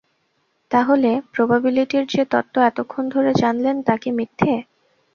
তাহলে প্রবাবিলিটির যে তত্ত্ব এতক্ষন ধরে জানলেন তা কি মিথ্যে?